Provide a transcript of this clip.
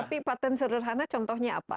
tapi patent sederhana contohnya apa